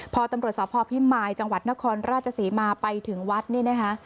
พอตำรวจสพพิมายจังหวัดนครราชศรีมาไปถึงวัดนี่นะคะ